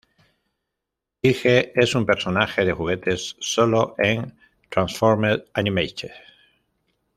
Dirge es un personaje de juguetes sólo en Transformers Animated.